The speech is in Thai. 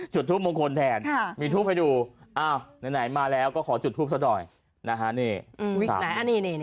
จุดภูมิมงคลแทนมีภูมิไปดูไหนมาแล้วก็ขอจุดภูมิซักหน่อย